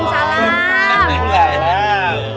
udah taruh dulu